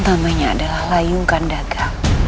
namanya adalah layung kandaga